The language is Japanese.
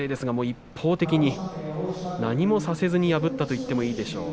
一方的に何もさせずに破ったと言っていいでしょう。